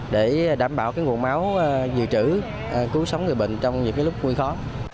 để đảm bảo nguồn máu dự trữ cứu sống người bệnh trong những lúc nguy khó